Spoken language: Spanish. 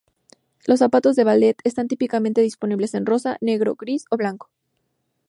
Los zapatos de "ballet" están típicamente disponibles en rosa, negro, gris o blanco.